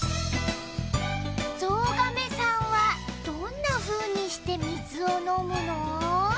ゾウガメさんはどんなふうにしてみずをのむの？